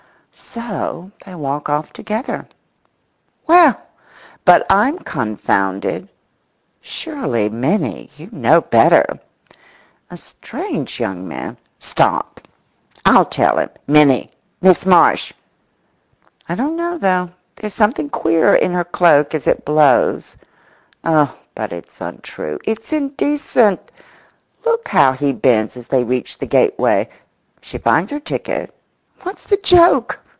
So they walk off together. Well, but I'm confounded.… Surely, Minnie, you know better! A strange young man.… Stop! I'll tell him—Minnie!—Miss Marsh!—I don't know though. There's something queer in her cloak as it blows. Oh, but it's untrue, it's indecent.… Look how he bends as they reach the gateway. She finds her ticket. What's the joke?